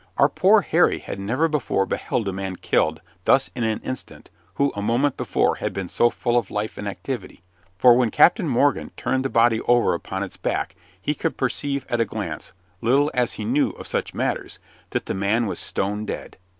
Our poor Harry had never before beheld a man killed thus in an instant who a moment before had been so full of life and activity, for when Captain Morgan turned the body over upon its back he could perceive at a glance, little as he knew of such matters, that the man was stone dead.